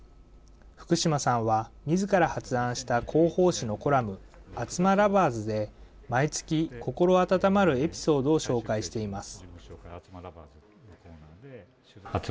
福島さんはみずから発案した広報誌のコラム、ＡＴＳＵＭＡＯＶＥＲＳで、毎月、心温まるエピソードを紹介しています。